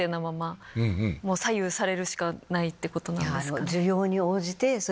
左右されるしかないってことですか？